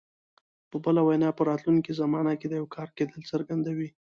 په بله وینا په راتلونکي زمانه کې د یو کار کېدل څرګندوي.